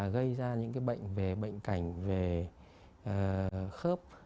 gây ra những bệnh về bệnh cảnh về khớp